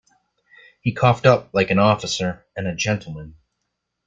He coughed up like an officer and a gentleman.